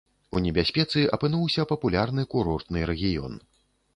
У небяспецы апынуўся папулярны курортны рэгіён.